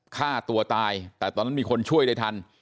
ฆ่าตัวตายแต่ตอนนั้นมีคนช่วยได้ทัน